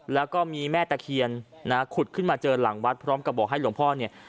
แล้วก็มีแม่ตะเคียนนะขุดขึ้นมาเจอหลังวัดพร้อมกับบอกให้หลวงพ่อเนี่ย